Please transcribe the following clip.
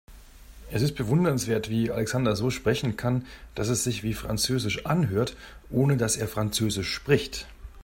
Es ist bewundernswert, wie Alexander so sprechen kann, dass es sich wie französisch anhört, ohne dass er französisch spricht.